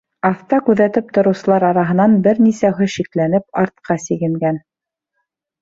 Аҫта күҙәтеп тороусылар араһынан бер нисәүһе шикләнеп артҡа сигенгән.